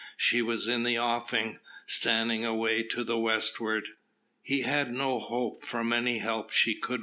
She was in the offing, standing away to the westward. He had no hope from any help she could render him.